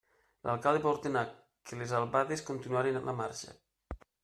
L'alcalde va ordenar que les albades continuaren la marxa.